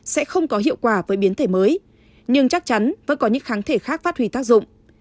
sẽ không có hiệu quả với biến thể mới nhưng chắc chắn vẫn có những kháng thể khác phát huy tác dụng